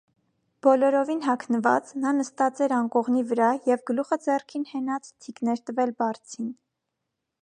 Բոլորովին հագնված՝ նա նստած էր անկողնի վրա՝ և գլուխը ձեռքին հենած՝ թիկն էր տվել բարձին.